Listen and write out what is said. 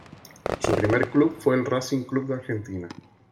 Su primer club fue el Racing Club de Argentina.